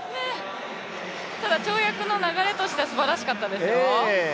ただ跳躍の流れとしてはすばらしかったですよ。